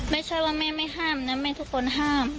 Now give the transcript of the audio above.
ไม่ใช่ว่าแม่ไม่ห้ามนะแม่ทุกคนห้าม